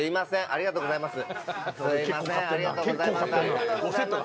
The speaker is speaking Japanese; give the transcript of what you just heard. ありがとうございます。